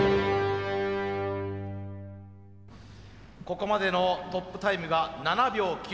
ここまでのトップタイムが７秒９９。